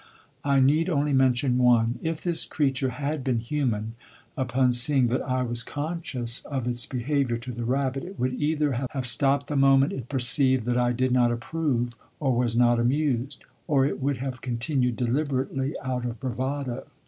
I need only mention one. If this creature had been human, upon seeing that I was conscious of its behaviour to the rabbit, it would either have stopped the moment it perceived that I did not approve or was not amused, or it would have continued deliberately out of bravado.